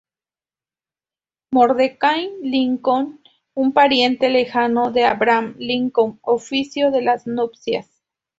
Mordecai Lincoln, un pariente lejano de Abraham Lincoln, ofició las nupcias.